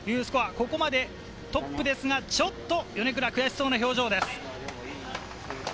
ここまでトップですが、ちょっと米倉、悔しそうな表情です。